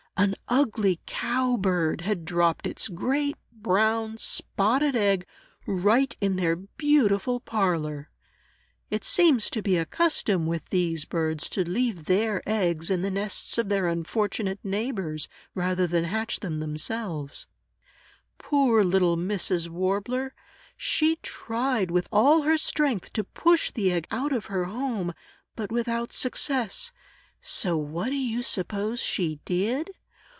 An ugly Cowbird had dropped its great, brown, spotted egg right in their beautiful parlor! (It seems to be a custom with these birds, to leave their eggs in the nests of their unfortunate neighbors, rather than hatch them themselves.) Poor, little Mrs. Warbler! She tried with all her strength to push the egg out of her home, but without success. So, what do you suppose she did?